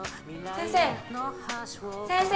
先生！